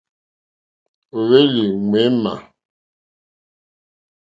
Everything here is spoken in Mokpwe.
Ó hwélì̀ ŋměmà.